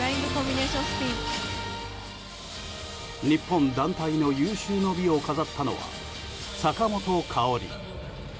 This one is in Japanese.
日本団体の有終の美を飾ったのは坂本花織。